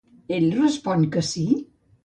Ell respon que sí?